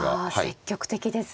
積極的ですね。